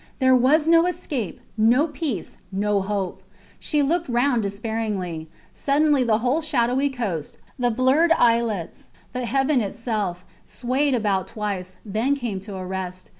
There was no escape, no peace, no hope. She looked round despairingly. Suddenly the whole shadowy coast, the blurred islets, the heaven itself, swayed about twice, then came to a rest.